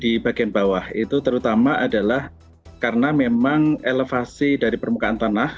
di bagian bawah itu terutama adalah karena memang elevasi dari permukaan tanah